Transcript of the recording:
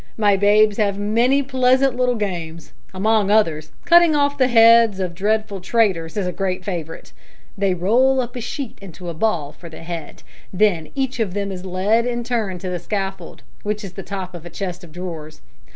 My babes have many pleasant little games. Among others, cutting off the heads of dreadful traitors is a great favourite. They roll up a sheet into a ball for the head. Then each of them is led in turn to the scaffold, which is the top of a chest of drawers.